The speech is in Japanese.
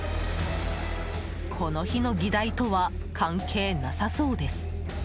この日の議題とは関係なさそうです。